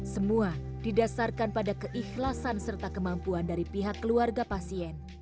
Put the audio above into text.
semua didasarkan pada keikhlasan serta kemampuan dari pihak keluarga pasien